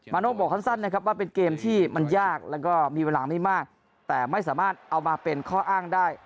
โน่บอกสั้นนะครับว่าเป็นเกมที่มันยากแล้วก็มีเวลาไม่มากแต่ไม่สามารถเอามาเป็นข้ออ้างได้